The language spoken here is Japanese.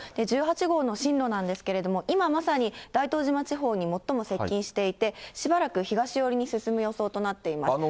１８号の進路なんですけれども、今まさに大東島地方に最も接近していて、しばらく東寄りに進む予想となっています。